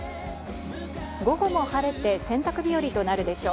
午後も晴れて、洗濯日和となるでしょう。